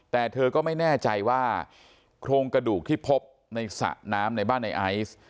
แต่เธอก็ไม่แน่ใจว่าโครงกระดูกที่พบในสระน้ำในบ้านในไอซ์